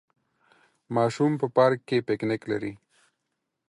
ماشوم په پارک کې پکنک لري.